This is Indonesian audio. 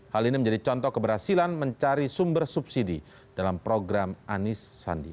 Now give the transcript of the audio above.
hal ini menjadi contoh keberhasilan mencari sumber subsidi dalam program anis sandi